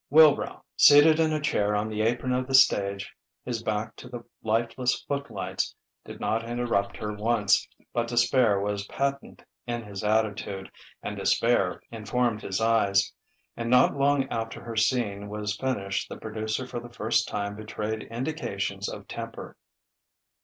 Wilbrow, seated in a chair on the "apron" of the stage, his back to the lifeless footlights, did not interrupt her once; but despair was patent in his attitude, and despair informed his eyes, and not long after her scene was finished the producer for the first time betrayed indications of temper.